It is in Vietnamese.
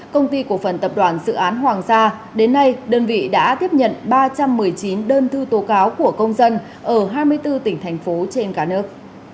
công an tỉnh đắk lắk đã tiếp nhận ba trăm một mươi chín đơn thư tố cáo của công dân ở hai mươi bốn tỉnh thành phố trên cả nước